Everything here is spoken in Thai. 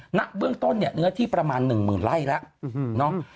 หน้าเบื้องต้นเนื้อที่ประมาณ๑๐๐๐๐ไร่แล้ว